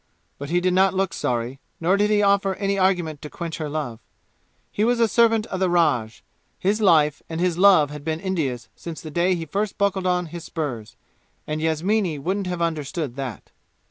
But he did not look sorry, nor did he offer any argument to quench her love. He was a servant of the raj; his life and his love had been India's since the day he first buckled on his spurs, and Yasmini wouldn't have understood that.